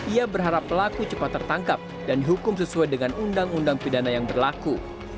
ia berharap pelaku cepat tertangkap dan dihukum sesuai dengan undang undang pidana yang berlaku